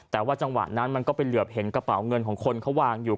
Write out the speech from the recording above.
แต่ว่าจังหวะนั้นมันก็ไปเหลือบเห็นกระเป๋าเงินของคนเขาวางอยู่